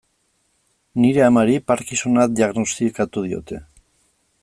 Nire amari Parkinsona diagnostikatu diote.